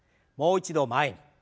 もう一度前に。